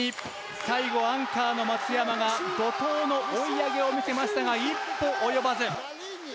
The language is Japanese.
最後アンカーの松山が怒とうの追い上げを見せましたが一歩及ばず。